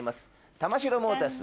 玉城モーターズ